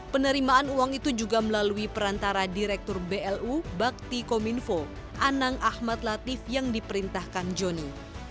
penerimaan uang itu juga melalui perantara direktur blu bakti kominfo anang ahmad latif yang diperintahkan joni